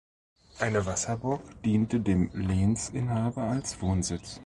Eine Wasserburg diente dem Lehnsinhaber als Wohnsitz.